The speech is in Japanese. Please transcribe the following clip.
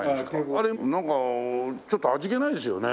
あれなんかちょっと味気ないですよね。